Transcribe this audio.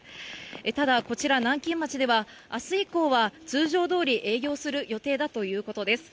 ただ、こちら南京町では、あす以降は通常どおり営業する予定だということです。